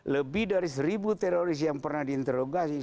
lebih dari seribu teroris yang pernah diinterogasi